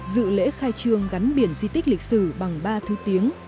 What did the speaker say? dự lễ khai trương gắn biển di tích lịch sử bằng ba thứ tiếng